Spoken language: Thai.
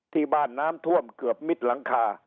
ที่บ้านน้ำท่วมเกือบมิดหลังคา